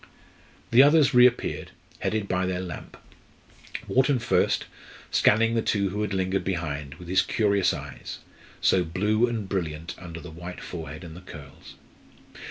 The others reappeared, headed by their lamp: Wharton first, scanning the two who had lingered behind, with his curious eyes, so blue and brilliant under the white forehead and the curls.